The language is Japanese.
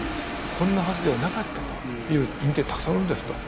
こんなはずではなかったという人間たくさんおるんですと。